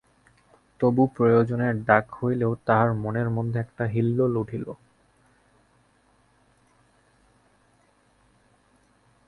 তবু প্রয়োজনের ডাক হইলেও তাহার মনের মধ্যে একটা হিল্লোল উঠিল।